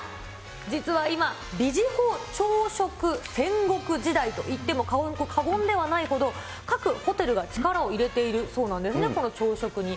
実は今、ビジホ朝食戦国時代といっても過言ではないほど、各ホテルが力を入れているそうなんです、この朝食に。